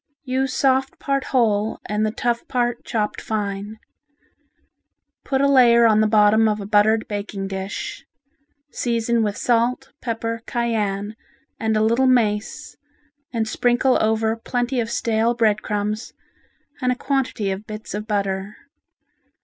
Use soft part whole and the tough part chopped fine. Put a layer on the bottom of a buttered baking dish. Season with salt, pepper, cayenne and a little mace and sprinkle over plenty of stale bread crumbs and a quantity of bits of butter.